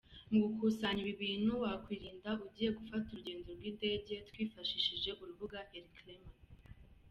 Mu gukusanya ibi bintu wakwirinda ugiye gufata urugendo rw’indege, twifashishije urubuga Elcrema.